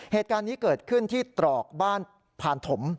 เหตุการณ์นี้เกิดขึ้นที่ตรอกบ้านพานถม